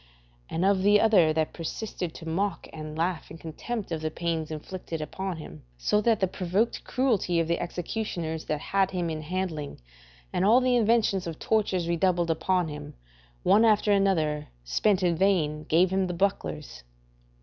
And of the other that persisted to mock and laugh in contempt of the pains inflicted upon him; so that the provoked cruelty of the executioners that had him in handling, and all the inventions of tortures redoubled upon him, one after another, spent in vain, gave him the bucklers?